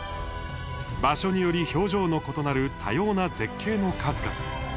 場所により表情の異なる多様な絶景の数々。